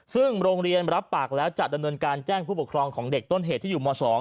ซึ่งโรงเรียนรับปากแล้วจะดำเนินการแจ้งผู้ปกครองของเด็กต้นเหตุที่อยู่ม๒